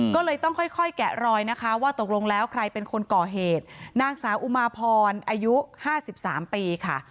ก็เลยต้องค่อยแกะรอยนะคะว่าตกลงแล้วใครเป็นคนก่อเหตุนางสาวอุมาพรอายุ๕๓ปีค่ะ